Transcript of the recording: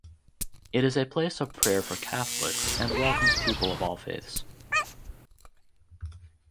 It is a place of prayer for Catholics and welcomes people of all faiths.